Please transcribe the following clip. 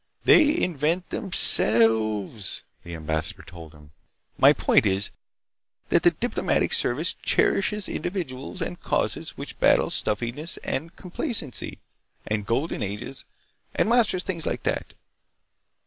"They invent themselves," the ambassador told him. "My point is that the Diplomatic Service cherishes individuals and causes which battle stuffiness and complacency and Golden Ages and monstrous things like that.